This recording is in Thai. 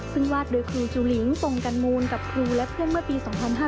ซึ่งวาดโดยครูจุลินปงกันมูลกับครูและเพื่อนเมื่อปี๒๕๕๙